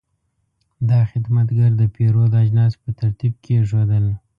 دا خدمتګر د پیرود اجناس په ترتیب کېښودل.